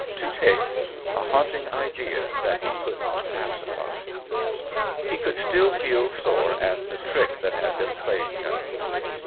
to take, a haunting idea that he couldn't pacify. He could still feel sore at the trick that had been played him.